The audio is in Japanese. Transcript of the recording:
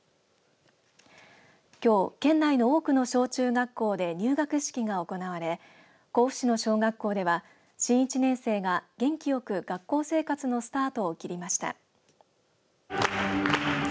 きょう、県内の多くの小中学校で入学式が行われ甲府市の小学校では新１年生が元気よく学校生活のスタートを切りました。